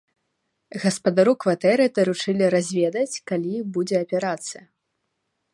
Гаспадару кватэры даручылі разведаць, калі будзе аперацыя.